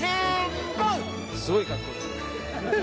すごい格好ですね。